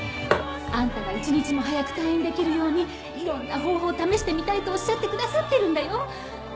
あんたが一日も早く退院できるようにいろんな方法を試してみたいとおっしゃってくださってるんだよ。